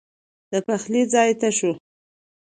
د پخلي ځای ته شوه.